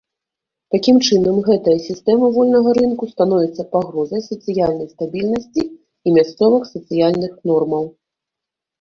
Такім чынам, гэтая сістэма вольнага рынку становіцца пагрозай сацыяльнай стабільнасці і мясцовых сацыяльных нормаў.